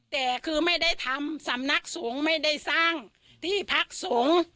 แต่คือไม่ได้ทำสำนักสงฆ์ไม่ได้สร้างที่พักสงฆ์